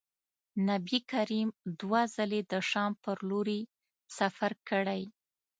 نبي کریم دوه ځلي د شام پر لوري سفر کړی.